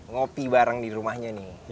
ngopi bareng di rumahnya nih